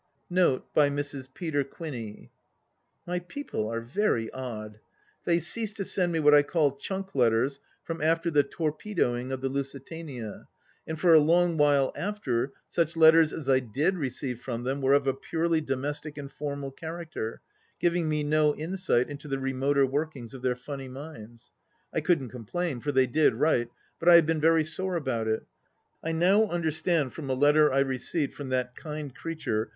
[note by mes. peter quinney] My people are very odd. They ceased to send me what I call chvmk letters from after the torpedoing of the Lusitania; and for a long while after, such letters as I did receive from them were of a purely domestic and formal character, giving me no insight into the remoter workings of their funny minds. I couldn't complain, for they did write, but I have been very sore about it. I now imderstand from a letter I received from that kind creature.